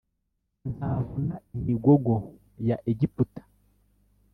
Nzavuna imigogo ya egiputa